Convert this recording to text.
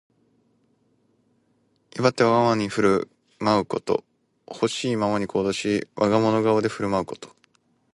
威張ってわがまま勝手に振る舞うこと。ほしいままに行動し、我が物顔に振る舞うこと。